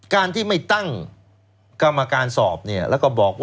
การที่ไม่ตั้งกรรมการสอบ